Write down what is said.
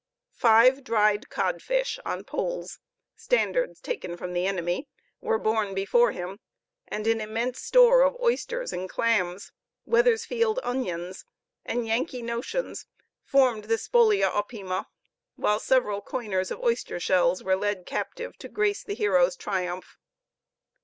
Five dried codfish on poles, standards taken from the enemy, were borne before him; and an immense store of oysters and clams, Weathersfield onions, and Yankee "notions" formed the spolia opima; while several coiners of oyster shells were led captive to grace the hero's triumph.